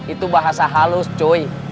itu bahasa halus cuy